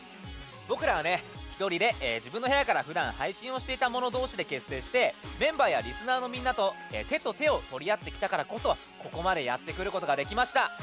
僕らは一人で自分の部屋で配信していた者同士で結成してメンバーやりすなーのみんなと手と手を取り合いながらやってきたからこそここまでやってくることができました。